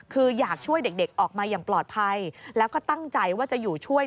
คืออยากช่วยเด็กออกมาอย่างปลอดภัยแล้วก็ตั้งใจว่าจะอยู่ช่วย